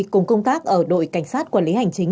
cùng công tác ở đội cảnh sát quản lý hành chính